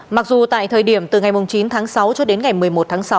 mặc dù tại thời điểm từ ngày chín tháng sáu cho đến ngày một mươi một tháng sáu